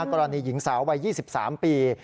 กรณีหญิงสาววัย๒๓ปี